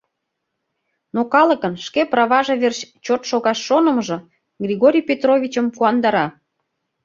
Но калыкын шке праваже верч чот шогаш шонымыжо Григорий Петровичым куандара.